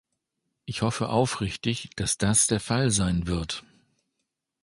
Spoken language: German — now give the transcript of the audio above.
Ich hoffe aufrichtig, dass das der Fall sein wird.